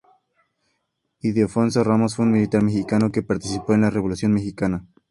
Ildefonso Ramos fue un militar mexicano que participó en la Revolución mexicana.